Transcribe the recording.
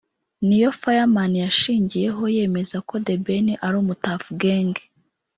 niyo Fireman yashingiyeho yemeza ko The Ben ari umu Tuff Gang